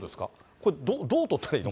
これ、どう取ったらいいの？